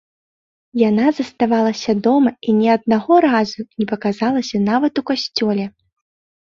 Яна заставалася дома і ні аднаго разу не паказалася нават у касцёле.